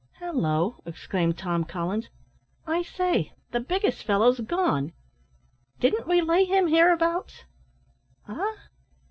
"Halloo!" exclaimed Tom Collins, "I say, the biggest fellow's gone! Didn't we lay him hereabouts?" "Eh!